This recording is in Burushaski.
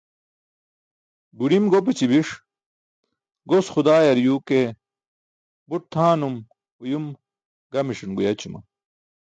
Guḍim gopaći biṣ, gos xudaayar yuu ke but tʰaanum/uyum gamiṣan guyaćuma.